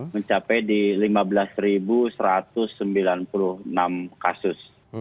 mencapai di lima belas satu ratus sembilan puluh enam kasus